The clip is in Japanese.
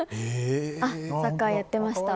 サッカーやってました。